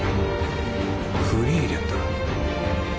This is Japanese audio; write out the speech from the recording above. フリーレンだ。